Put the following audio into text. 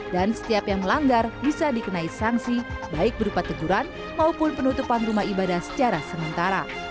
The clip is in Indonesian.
dan setiap yang melanggar bisa dikenai sanksi baik berupa teguran maupun penutupan rumah ibadah secara sementara